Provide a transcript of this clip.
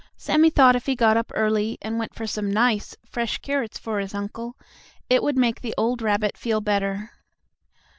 Sammie thought if he got up early, and went for some nice, fresh carrots for his uncle, it would make the old rabbit feel better.